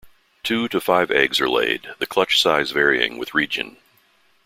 Two to five eggs are laid, the clutch size varying with region.